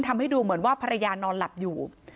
ทำให้ดูเหมือนว่าภรรยานอนหลับอยู่